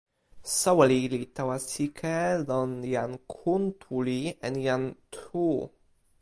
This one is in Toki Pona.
soweli li tawa sike lon jan Kuntuli en jan Tu.